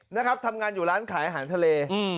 นะครับทำงานอยู่ร้านขายอาหารทะเล